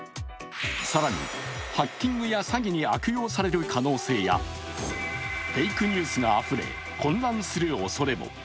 更にハッキングや詐欺に悪用される可能性やフェイクニュースがあふれ、混乱するおそれも。